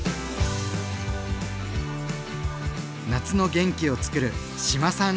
夏の元気をつくる志麻さん